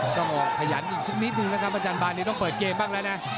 ต้องออกขยันอีกสักนิดนึงนะครับอาจารย์บานนี้ต้องเปิดเกมบ้างแล้วนะ